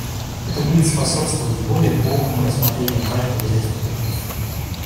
Это будет способствовать более полному рассмотрению каждого их этих пунктов.